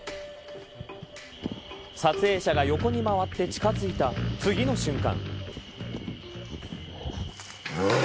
撮影者が横に回って近づいた次の瞬間。